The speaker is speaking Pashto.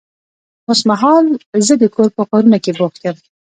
اوس مهال زه د کور په کارونه کې بوخت يم.